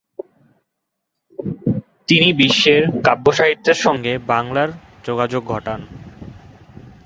তিনি বিশ্বের কাব্যসাহিত্যের সঙ্গে বাংলার যোগাযোগ ঘটান।